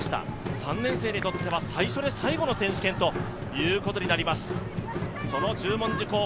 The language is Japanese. ３年生にとっては最初で最後の選手権ということになります。